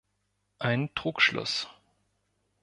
Ein Trugschluss.